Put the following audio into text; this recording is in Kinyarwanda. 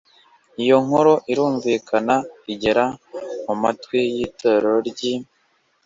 iyo nkuru irumvikana igera mu matwi y itorero ry i